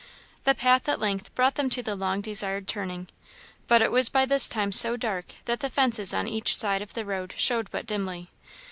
The path at length brought them to the long desired turning; but it was by this time so dark, that the fences on each side of the road showed but dimly.